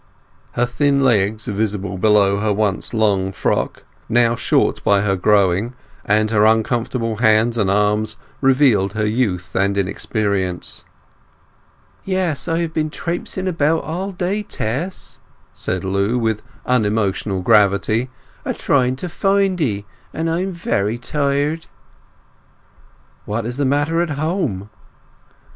Her thin legs, visible below her once long frock, now short by her growing, and her uncomfortable hands and arms revealed her youth and inexperience. "Yes, I have been traipsing about all day, Tess," said Lu, with unemotional gravity, "a trying to find 'ee; and I'm very tired." "What is the matter at home?"